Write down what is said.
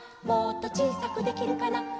「もっとちいさくできるかな」